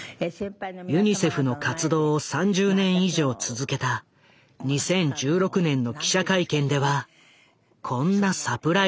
ユニセフの活動を３０年以上続けた２０１６年の記者会見ではこんなサプライズも。